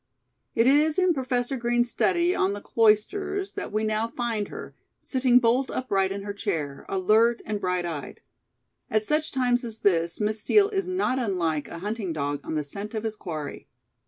It is in Professor Green's study on the Cloisters that we now find her, sitting bolt upright in her chair, alert and bright eyed. At such times as this, Miss Steel is not unlike a hunting dog on the scent of his quarry.